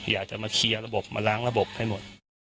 อยากจะมาเคลียร์ระบบมาล้างระบบให้หมด